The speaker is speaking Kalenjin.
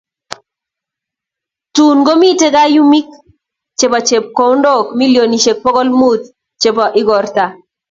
tum komitei kayumanik chebo chepkomndok million bokol muut chebo Ikorata